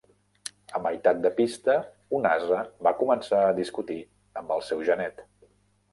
A meitat de pista un ase va començar a discutir amb el seu genet.